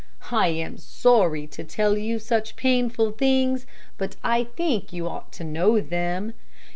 "I am sorry to tell you such painful things, but I think you ought to know them.